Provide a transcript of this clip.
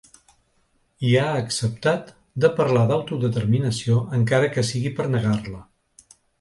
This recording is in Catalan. I ha acceptat de parlar d’autodeterminació, encara que sigui per negar-la.